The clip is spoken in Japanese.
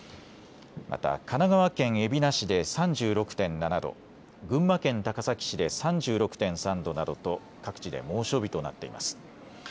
また神奈川県海老名市で３６．７度、群馬県高崎市で３６．３度などと各地で猛暑日となっています。